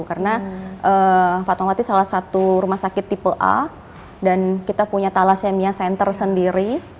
karena fatmawati salah satu rumah sakit tipe a dan kita punya thalassemia center sendiri